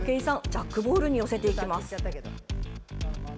ジャックボールに寄せていきます。